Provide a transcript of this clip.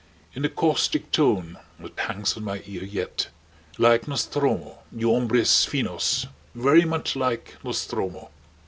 _" in a caustic tone that hangs on my ear yet. Like Nostromo! "You hombres finos!" Very much like Nostromo.